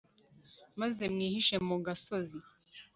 maze mwihishe mu gasozi